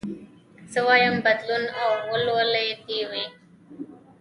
زه وايم بدلون او ولولې دي وي